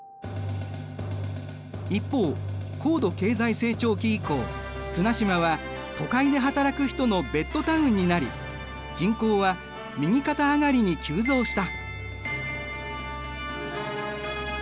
一方高度経済成長期以降綱島は都会で働く人のベッドタウンになり人口は右肩上がりに急増した。